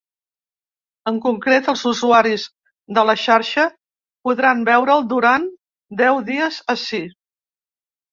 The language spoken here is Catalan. En concret, els usuaris de la xarxa podran veure’l durant deu dies ací.